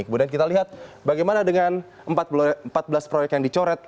kemudian kita lihat bagaimana dengan empat belas proyek yang dicoret